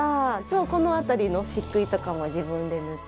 この辺りの漆喰とかも自分で塗って。